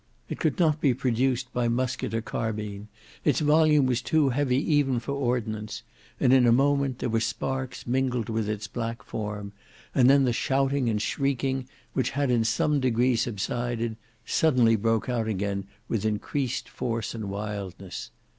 It could not be produced by musket or carbine: its volume was too heavy even for ordnance: and in a moment there were sparks mingled with its black form; and then the shouting and shrieking which had in some degree subsided, suddenly broke out again with increased force and wildness.